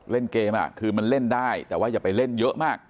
เล่นเกมคือมันเล่นได้แต่ว่าอย่าไปเล่นเยอะมาก